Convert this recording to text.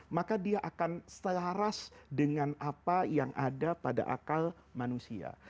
maka dia akan selaras dengan apa yang ada pada akal manusia